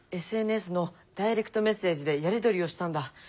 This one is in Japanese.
ＳＮＳのダイレクトメッセージでやり取りをしたんだ。